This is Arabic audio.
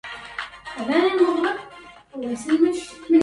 قل للأشوني ولا تحتشم